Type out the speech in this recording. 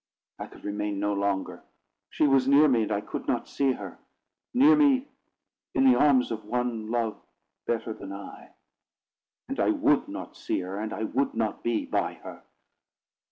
I could remain no longer. She was near me, and I could not see her; near me in the arms of one loved better than I, and I would not see her, and I would not be by her.